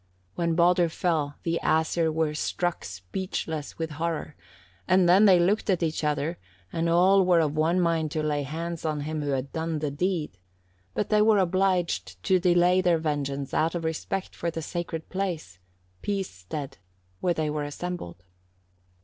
When Baldur fell the Æsir were struck speechless with horror, and then they looked at each other, and all were of one mind to lay hands on him who had done the deed, but they were obliged to delay their vengeance out of respect for the sacred place (Peace stead) where they were assembled.